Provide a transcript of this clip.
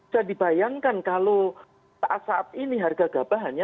jadi bayangkan kalau saat ini harga gabah hanya tiga